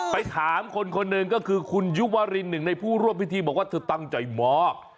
ไปถามคนคนหนึ่งก็คือคุณยุวรินหนึ่งในผู้ร่วมพิธีบอกว่าเธอตั้งใจมอบ